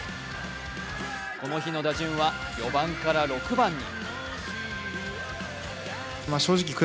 この日の打順は４番から６番に。